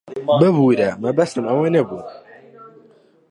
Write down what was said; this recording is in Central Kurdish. ببوورە، مەبەستم ئەوە نەبوو.